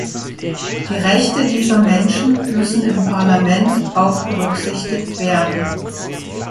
Die Rechte dieser Menschen müssen im Parlament auch berücksichtigt werden.